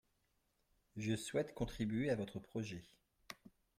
Je souhaite contribuer à votre projet